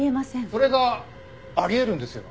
それがあり得るんですよ。